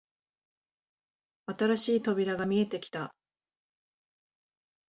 新しい扉が見えてきた